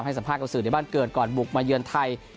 สัมภาษณ์สื่อในบ้านเกิดก่อนบุกมาเยือนไทย